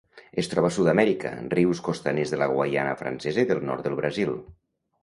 Es troba a Sud-amèrica: rius costaners de la Guaiana Francesa i del nord del Brasil.